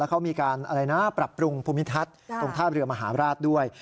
แล้วเขามีการปรับปรุงภูมิทัศน์ตรงท่าเรือมหาราศด้วย